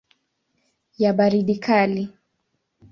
ya baridi kali.